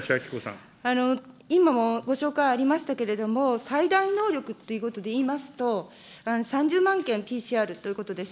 今もご紹介ありましたけれども、最大能力ということでいいますと、３０万件、ＰＣＲということです。